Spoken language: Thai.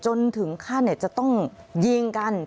จนถึงขั้นจะต้องยิงกันจนเสียชีวิต